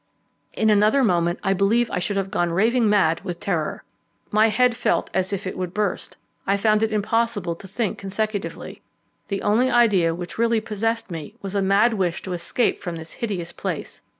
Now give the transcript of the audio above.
In another moment I believe I should have gone raving mad with terror. My head felt as if it would burst; I found it impossible to think consecutively. The only idea which really possessed me was a mad wish to escape from this hideous place.